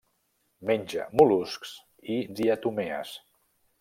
Menja mol·luscs i diatomees.